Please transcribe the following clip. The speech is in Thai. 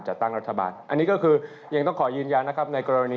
อาจจะไม่มีจานเจรดารวดรัฐบาลตรายุ่น